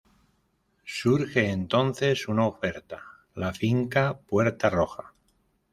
Surge entonces una oferta: La Finca Puerta Roja.